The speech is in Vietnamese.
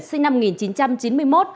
sinh năm một nghìn chín trăm chín mươi một